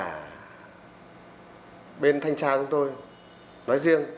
cả bên thanh tra của tôi nói riêng